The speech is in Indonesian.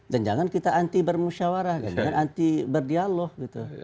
dan jangan kita anti bermusyawarah jangan anti berdialog gitu